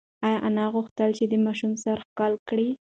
انا غوښتل چې د ماشوم سر ښکل کړي.